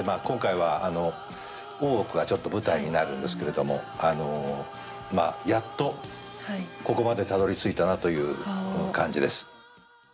今回はあの大奥がちょっと舞台になるんですけれどもあのまあやっとここまでたどりついたなというこの感じです。